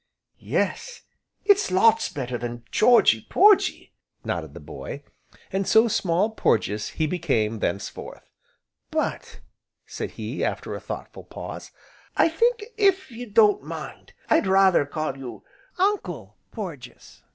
"Yes, it's lots better than Georgy Porgy," nodded the boy. And so Small Porges he became, thenceforth. "But," said he, after a thoughtful pause, "I think, if you don't mind, I'd rather call you Uncle Porges.